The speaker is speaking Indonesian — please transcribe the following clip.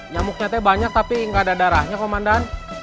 nyamuknya banyak tapi nggak ada darahnya komandan